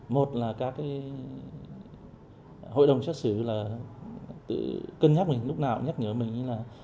một là các cái hội đồng xét xử là tự cân nhắc mình lúc nào nhắc nhở mình là